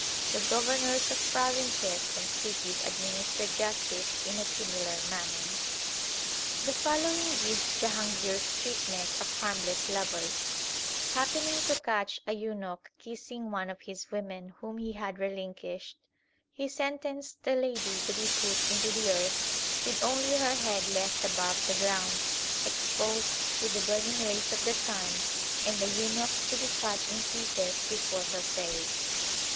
The governors of provinces and cities administer justice in a similar manner. The following gives Jahangir s treatment of harmless lovers : Happening to catch a eunuch kissing one of his women whom he had relinquished, he sentenced the lady to be put into the earth, with only her head left above the ground, exposed to the burning rays of the sun, and the eunuch to be cut in pieces before her face.